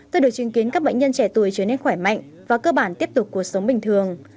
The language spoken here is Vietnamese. tôi được chứng kiến các bệnh nhân trẻ tuổi trở nên khỏe mạnh và cơ bản tiếp tục cuộc sống bình thường